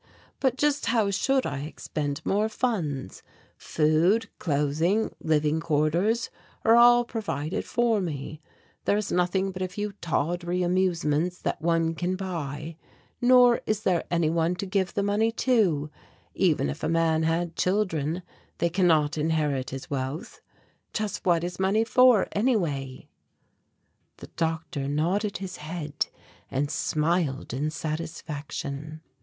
But just how should I expend more funds; food, clothing, living quarters are all provided me, there is nothing but a few tawdry amusements that one can buy, nor is there any one to give the money to even if a man had children they cannot inherit his wealth. Just what is money for, anyway?" The doctor nodded his head and smiled in satisfaction.